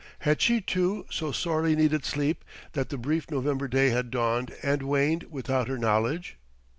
Had she, too, so sorely needed sleep that the brief November day had dawned and waned without her knowledge?